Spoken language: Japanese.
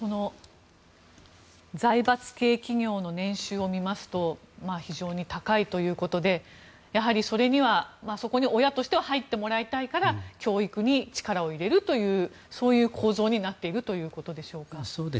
財閥系企業の年収を見ますと非常に高いということでやはり、それにはそこに親としては入ってもらいたいから教育に力を入れるというそういう構図になっているということでしょうか。